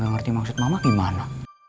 dia gak ngerti maksud mama gimana